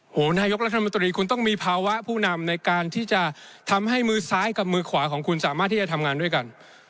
นายกรัฐมนตรีคุณต้องมีภาวะผู้นำในการที่จะทำให้มือซ้ายกับมือขวาของคุณสามารถที่จะทำงานด้วยกัน